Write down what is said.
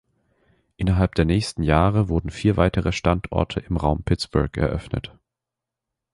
Innerhalb der nächsten Jahre wurden vier weitere Standorte im Raum Pittsburgh eröffnet.